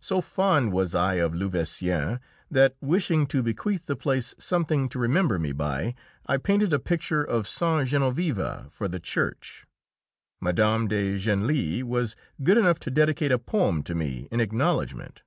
So fond was I of Louveciennes that, wishing to bequeath the place something to remember me by, I painted a picture of Saint Genoveva for the church. Mme. de Genlis was good enough to dedicate a poem to me in acknowledgment.